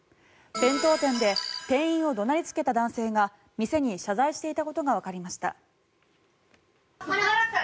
弁当店で店員を怒鳴りつけた男性が店に謝罪していたことがわかりました。